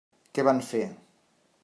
Què van fer?